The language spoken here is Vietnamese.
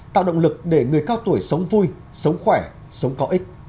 tạo động lực để người cao tuổi sống vui sống khỏe sống có ích